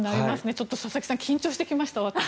ちょっと佐々木さん緊張してきました。